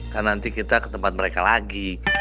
kan nanti kita ke tempat mereka lagi